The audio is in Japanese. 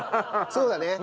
そうだね。